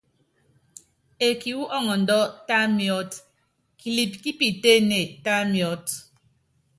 Eeki wú ɔŋɔndɔ́, ta miɔ́t, kilɛp kí piitéénée, tá miɔ́t.